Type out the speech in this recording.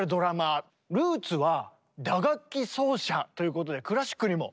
ルーツは打楽器奏者ということでクラシックにも。